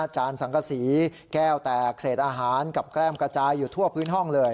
จานสังกษีแก้วแตกเสร็จอาหารกับแกล้มกระจายทั้งทั่วพื้นห้อง